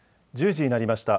１０時になりました。